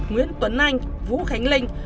nguyễn tuấn anh vũ khánh linh